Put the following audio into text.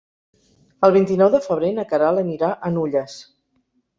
El vint-i-nou de febrer na Queralt anirà a Nulles.